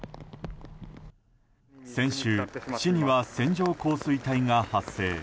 先週、市には線状降水帯が発生。